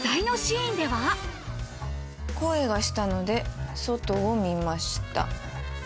「声がしたので外を見ました」。